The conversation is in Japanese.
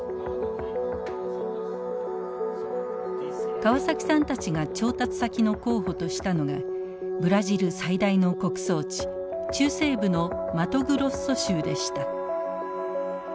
川崎さんたちが調達先の候補としたのがブラジル最大の穀倉地中西部のマトグロッソ州でした。